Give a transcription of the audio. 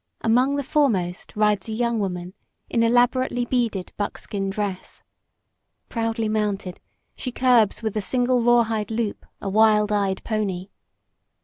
Among the foremost rides a young woman in elaborately beaded buckskin dress. Proudly mounted, she curbs with the single rawhide loop a wild eyed pony.